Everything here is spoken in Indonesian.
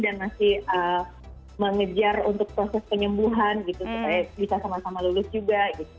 dan masih mengejar untuk proses penyembuhan gitu supaya bisa sama sama lulus juga